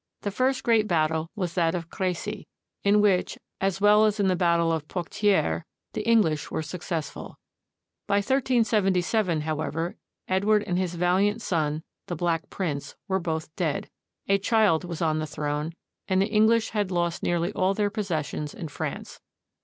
The first great battle was that of Crecy, in which, as well as in the battle of Poictiers, the English were successful. By 1377, however, Edward and his valiant son, the Black Prince, were both dead, a child was on the throne, and the English had lost nearly all their possessions in France.